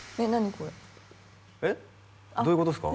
これえっどういうことっすか？